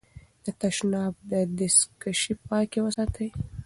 د تشناب دستکشې پاکې وساتئ.